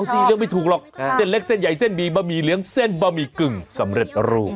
สิเลือกไม่ถูกหรอกเส้นเล็กเส้นใหญ่เส้นหมี่บะหมี่เหลืองเส้นบะหมี่กึ่งสำเร็จรูป